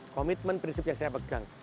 komitmen prinsip yang saya pegang